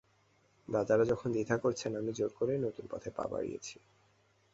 দাদারা যখন দ্বিধা করেছেন, আমি জোর করেই নতুন পথে পা বাড়িয়েছি।